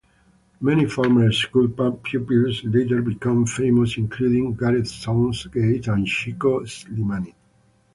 Many former school pupils later became famous including Gareth Southgate, and Chico Slimani.